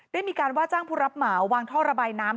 ได้มีการว่าจ้างผู้รับเหมาวางท่อระบายน้ำ